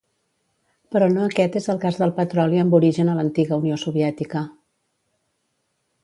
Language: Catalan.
Però no aquest és el cas del petroli amb origen a l'antiga Unió Soviètica.